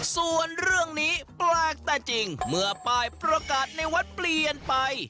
ส่วนเรื่องนี้แปลกแต่จริงเมื่อป้ายประกาศในวัดเปลี่ยนไป